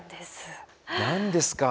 何ですか？